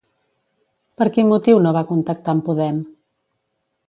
Per quin motiu no va contactar amb Podem?